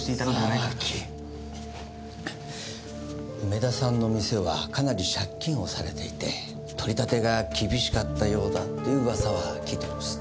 梅田さんの店はかなり借金をされていて取り立てが厳しかったようだという噂は聞いております。